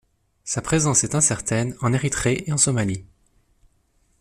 Sa présence est incertaine en Érythrée et en Somalie.